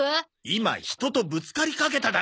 今人とぶつかりかけただろ！